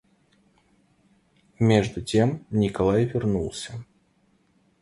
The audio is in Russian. Между тем Николай вернулся.